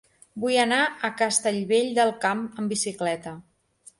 Vull anar a Castellvell del Camp amb bicicleta.